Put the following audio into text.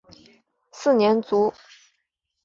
四年卒。